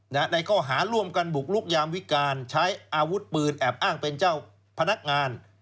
ในข้อหาร่วมกันบุกลุกยามวิการใช้อาวุธปืนแอบอ้างเป็นเจ้าพนักงาน